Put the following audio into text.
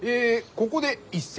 ここで一席。